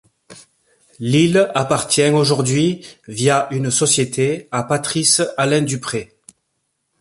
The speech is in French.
L'île appartient aujourd'hui, via une société, à Patrice Allain-Dupré.